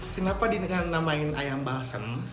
kenapa dinamain ayam balsam